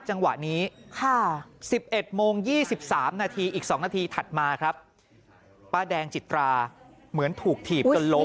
จังหวะนี้๑๑โมง๒๓นาทีอีก๒นาทีถัดมาครับป้าแดงจิตราเหมือนถูกถีบจนล้ม